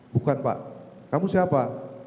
bukan pak kamu siapa